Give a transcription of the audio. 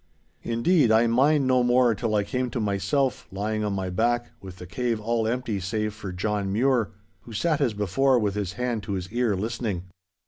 Indeed, I mind no more till I came to myself, lying on my back, with the cave all empty save for John Mure—who sat, as before, with his hand to his ear listening.